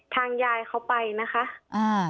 ทางยายเขาไปนะคะอ่า